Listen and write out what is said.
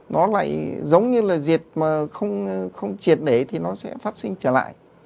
nó lại giống như là diệt mà không triệt để thì nó sẽ phát sinh trở lại